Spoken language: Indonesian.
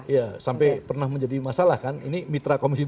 ya sampai pernah menjadi masalah kan ini mitra komisi dua